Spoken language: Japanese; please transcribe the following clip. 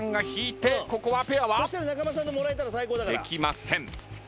できません。